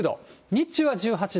日中は１８度。